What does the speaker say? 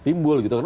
timbul gitu kan